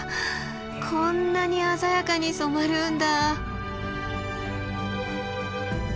こんなに鮮やかに染まるんだ！